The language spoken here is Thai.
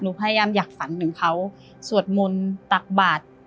พยายามอยากฝันถึงเขาสวดมนต์ตักบาท